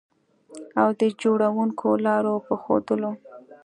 او د جوړوونکو لارو په ښودلو